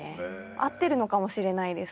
合ってるのかもしれないです。